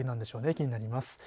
気になります。